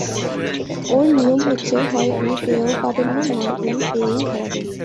ওঁর নিয়ম হচ্ছে, হয় উনি পেয়েও পাবেন না, নয় উনি পেয়েই হারাবেন।